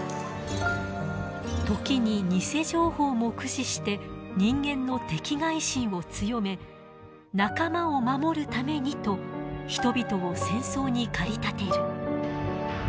時に偽情報も駆使して人間の敵がい心を強め仲間を守るためにと人々を戦争に駆り立てる。